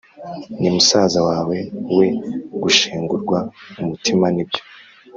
ni musaza wawe we gushengurwa umutima n’ibyo.